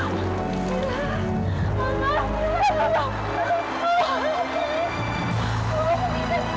terima kasih banyak